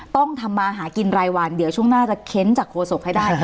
ต้องทำมาหากินรายวันเดี๋ยวช่วงหน้าจะเค้นจากโฆษกให้ได้